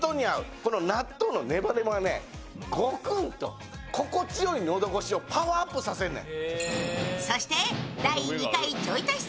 この納豆のネバネバがね、ゴクンと心地よい喉越しをパワーアップさせんねん。